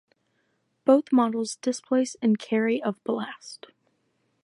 Both models displace and carry of ballast.